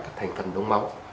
các thành phần đông máu